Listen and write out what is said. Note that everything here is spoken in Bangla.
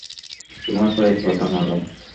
তোমার পায়ের পাতা নাড়াও।